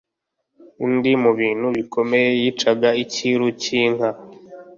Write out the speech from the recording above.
undi mu bintu bikomeye yicaga icyiru cy'inka